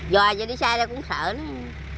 giờ giờ đi xe đó cũng sợ lắm